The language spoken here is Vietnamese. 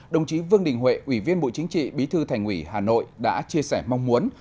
đồng chí vương đình huệ ủy viên bộ chính trị bí thư thành ủy hà nội đã chia sẻ mong muốn